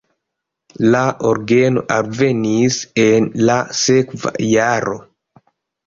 La orgeno alvenis en la sekva jaro.